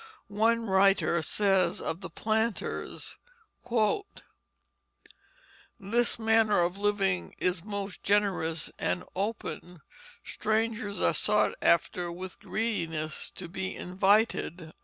One writer says of the planters: "Their manner of living is most generous and open: strangers are sought after with Greediness to be invited."